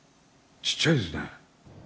ちっちゃいですね。